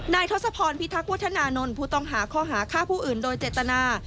ทศพรพิทักษวุฒนานนท์ผู้ต้องหาข้อหาฆ่าผู้อื่นโดยเจตนา